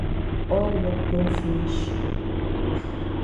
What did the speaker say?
All wok don finish.